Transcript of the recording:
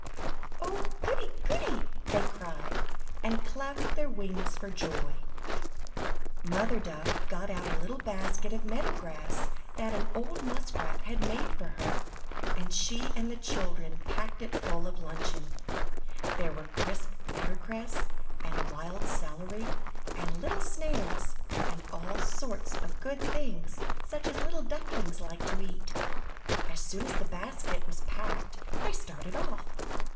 "Oh, goody! goody!" they cried, and clapped their wings for joy. [Illustration: How cosy it was there in the hollow tree] Mother Duck got out a little basket of meadow grass that an old muskrat had made for her, and she and the children packed it full of luncheon. There were crisp watercress, and wild celery, and little snails, and all sorts of good things such as little ducklings like to eat. As soon as the basket was packed they started off.